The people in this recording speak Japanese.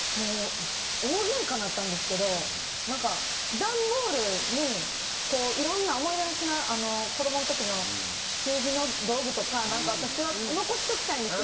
大げんかになったんですけど段ボールにいろんな思い出の品子供の時の習字の道具とか私は残しておきたいんです。